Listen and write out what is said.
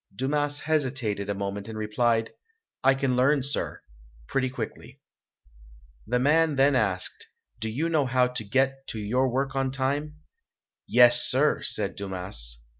Dumas hesitated a moment and replied, "I can learn, sir, pretty quickly". The man then asked, "Do you know how to get to your work on time?" "Yes, sir!" said Dumas.